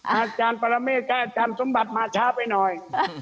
อาจารย์ปรเมฆกับอาจารย์สมบัติมาช้าไปหน่อย